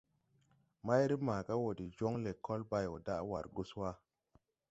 Mayre maaga wɔ de jɔŋ lɛkɔl bay wɔ daʼ war gus wà.